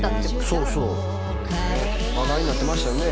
「そうそう」「話題になってましたよね」